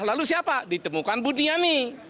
lalu siapa ditemukan buniani